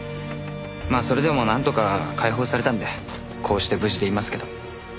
まあそれでもなんとか解放されたんでこうして無事でいますけど。